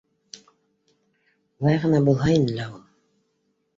Улай ғына булһа ине лә ул!